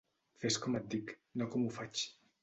Fes com et dic, no com ho faig.